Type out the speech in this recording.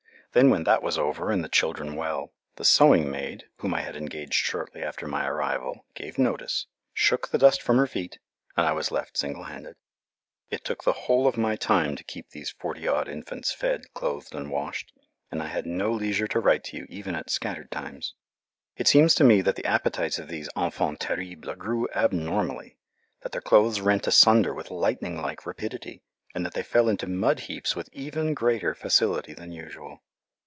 Then when that was over and the children well, the sewing maid, whom I had engaged shortly after my arrival, gave notice, shook the dust from her feet, and I was left single handed. It took the whole of my time to keep these forty odd infants fed, clothed, and washed, and I had no leisure to write to you even at "scattered times." It seemed to me that the appetites of these enfants terribles grew abnormally, that their clothes rent asunder with lightning like rapidity, and that they fell into mud heaps with even greater facility than usual.